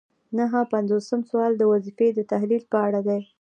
نهه پنځوسم سوال د وظیفې د تحلیل په اړه دی.